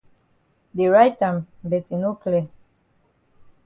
Dey write am but e no clear.